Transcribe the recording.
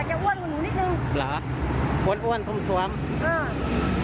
แล้วจะอ้วนของหนูนิดหนึ่งเหรออ้วนอ้วนพรุมสวมเออ